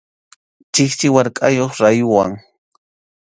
Chikchi warakʼamuq rayuwan.